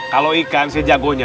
kalau ikan saya jagonya